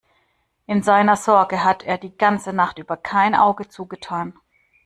In seiner Sorge hat er die ganze Nacht über kein Auge zugetan.